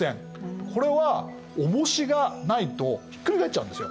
これは重しがないとひっくり返っちゃうんですよ。